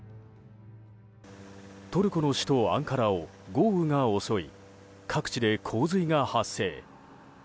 トルコの首都アンカラを豪雨が襲い各地で洪水が発生。